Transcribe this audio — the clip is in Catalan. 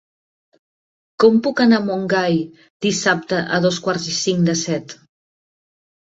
Com puc anar a Montgai dissabte a dos quarts i cinc de set?